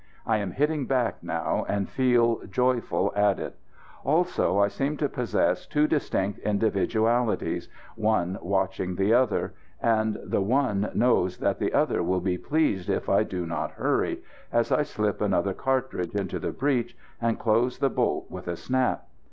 I am hitting back now, and feel joyful at it. Also I seem to possess two distinct individualities, one watching the other; and the one knows that the other will be pleased if I do not hurry, as I slip another cartridge into the breech, and close the bolt with a snap.